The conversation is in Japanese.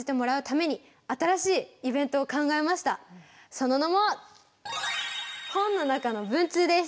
その名も本の中の文通です！